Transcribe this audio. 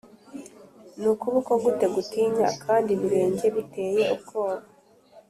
ni ukuboko gute gutinya? kandi ibirenge biteye ubwoba?